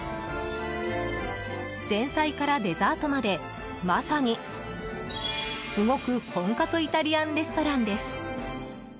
前菜からデザートまでまさに動く本格イタリアンレストランです。